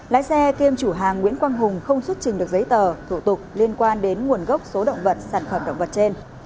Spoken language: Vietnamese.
lái xe kiêm chủ hàng nguyễn quang hùng không xuất trình được giấy tờ thủ tục liên quan đến nguồn gốc số động vật sản phẩm động vật trên